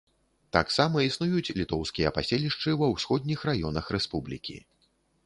Таксама існуюць літоўскія паселішчы ва ўсходніх раёнах рэспублікі.